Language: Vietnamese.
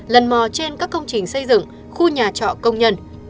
lần mò trên các công trình xây dựng khu nhà trọ công nhân